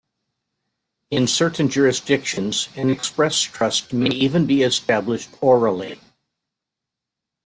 In certain jurisdictions, an express trust may even be established orally.